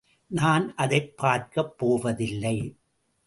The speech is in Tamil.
நான் அதைப் பார்க்கப் போவதில்லை.